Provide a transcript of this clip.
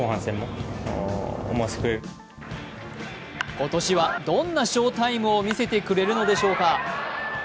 今年はどんな翔タイムを見せてくれるのでしょうか。